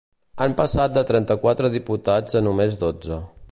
Han passat de trenta-quatre diputats a només dotze.